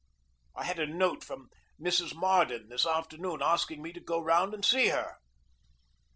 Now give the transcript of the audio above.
I had a note from Mrs. Marden this afternoon asking me to go round and see her.